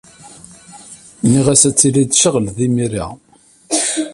Nniɣ-as ad tilid tceɣled imir-a.